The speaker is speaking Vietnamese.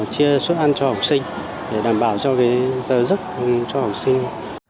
chia suất ăn cho học sinh để đảm bảo cho giờ giúp cho học sinh